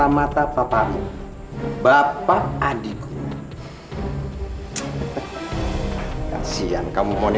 mana dia bon